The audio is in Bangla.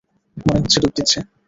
মনে হচ্ছে ডুব দিচ্ছে।